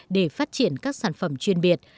để phát triển các sản phẩm chuyên biệt